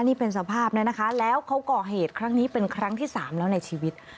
นี่เป็นสภาพเนี่ยนะคะแล้วเขาก่อเหตุครั้งนี้เป็นครั้งที่สามแล้วในชีวิต